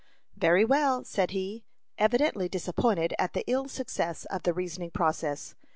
"Very well," said he, evidently disappointed at the ill success of the reasoning process.